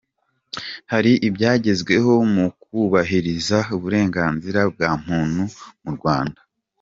Hari ibyagezweho mu kubahiriza uburenganzira bwa muntu mu Rwanda